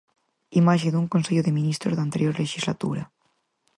Imaxe dun Consello de Ministros da anterior lexislatura.